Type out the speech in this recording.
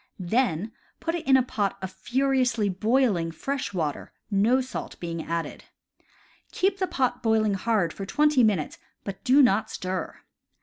Then put it in a pot of furiously boiling fresh water, no salt being added. Keep the pot boiling hard for twenty minutes, but do not stir.